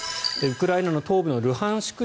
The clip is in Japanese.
ウクライナの東部のルハンシク